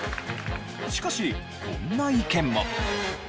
しかしこんな意見も。